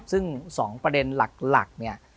ซึ่ง๒ประเด็นหลักเนี่ย